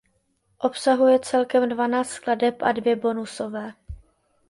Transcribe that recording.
Obsahuje celkem dvanáct skladeb a dvě bonusové.